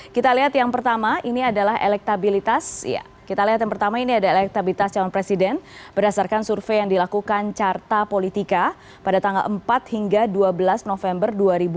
kita lihat yang pertama ini adalah elektabilitas calon presiden berdasarkan survei yang dilakukan carta politika pada tanggal empat hingga dua belas november dua ribu dua puluh dua